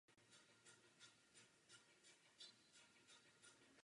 Udržoval kontakty s odbojem.